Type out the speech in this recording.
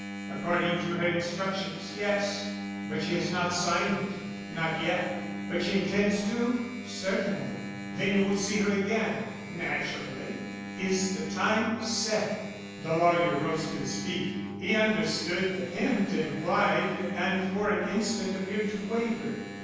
"According to her instructions, yes." "But she has not signed it?" "Not yet." "But she intends to?" "Certainly." "Then you will see her again?" "Naturally." "Is the time set?" The lawyer rose to his feet. He understood the hint implied and for an instant appeared to waver.